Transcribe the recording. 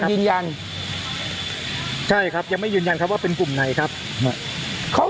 ทางกลุ่มมวลชนทะลุฟ้าทางกลุ่มมวลชนทะลุฟ้า